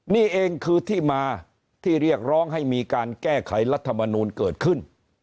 นี่เองคือที่มาที่เรียกร้องให้มีการแก้ไขรัฐมนูลเกิดขึ้น